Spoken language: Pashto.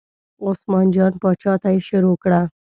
عثمان جان پاچا ته یې شروع کړه.